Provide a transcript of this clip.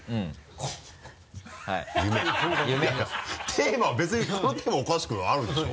テーマは別にこのテーマはおかしくあるでしょ？